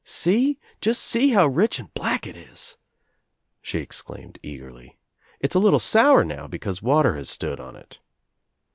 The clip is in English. "Seel Just see how rich and black it Isl" she exclaimed eagerly. "It's a little sour now because water has stood on It."